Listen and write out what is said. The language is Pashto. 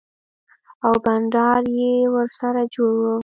او بنډار يې ورسره جوړ و.